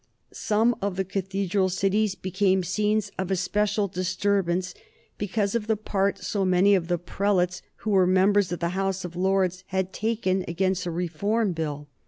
Some of the cathedral cities became scenes of especial disturbance because of the part so many of the prelates who were members of the House of Lords had taken against the Reform Bill.